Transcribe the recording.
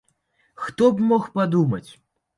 Хто б мог падумаць!